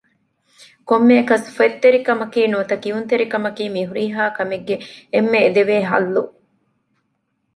ކޮންމެއަކަސް ފޮތްތެރިކަމަކީ ނުވަތަ ކިޔުންތެރިކަމަކީ މި ހުރިހާ ކަމެއްގެ އެންމެ އެދެވޭ ޙައްލު